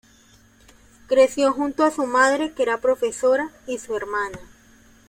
Creció junto a su madre, que era profesora, y su hermana.